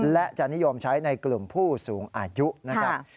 และจะนิยมใช้ในกลุ่มผู้สูงอายุนะครับ